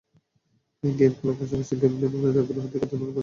Game খেলার পাশাপাশি game নির্মাণেও আগ্রহ দেখা যায় নতুন প্রজন্মের কিশোর-তরুণদের।